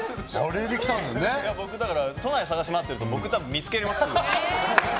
都内探し回ってると多分、僕見つけられますよ。